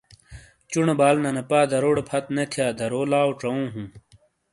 چُونو بال ننہ پا دروڑے پھت نیتھیا درو لاٶ ژاٶوں ہوں ۔۔